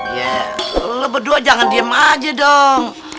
iya lo berdua jangan diem aja dong